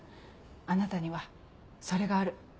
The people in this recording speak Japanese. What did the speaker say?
あなたにはそれがある。